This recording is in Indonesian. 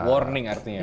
warning artinya ya pak